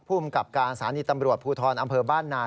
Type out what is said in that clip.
ภูมิกับการสถานีตำรวจภูทรอำเภอบ้านนา